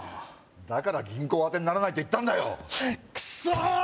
だから銀行は当てにならないって言ったんだよクソ！